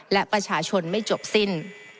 และประชาชนไม่จบสิ้น